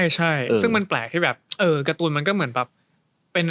ใช่ซึ่งมันแปลกที่แบบเออการ์ตูนมันก็เหมือนแบบเป็น